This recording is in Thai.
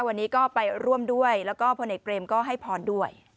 วันนี้ก็ไปร่วมด้วยแล้วก็พลเอกเบรมก็ให้พรด้วย